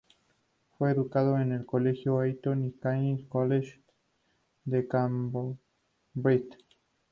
Fue educado en el Colegio Eton y el Kings College de Cambridge.